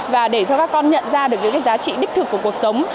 và để cho các con nhận ra được những cái giá trị đích thực của cuộc sống